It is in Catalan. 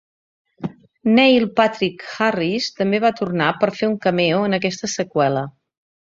Neil Patrick Harris també va tornar per a fer un "cameo" en aquesta seqüela.